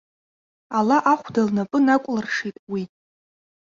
Ала ахәда лнапы накәлыршеит уи.